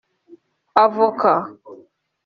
avoka